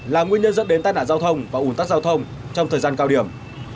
là nguyên nhân dẫn đến tai nạn giao thông và ủn tắc giao thông trong thời gian cao điểm